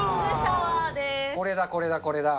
これだこれだこれだ。